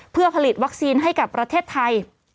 เพื่อผลิตวัคซีนให้กับประเทศไทย